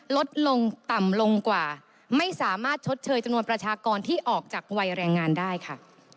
ลดลงต่ำลงกว่าไม่สามารถชดเชยจำนวนประชากรที่ออกจากวัยแรงงานได้ค่ะ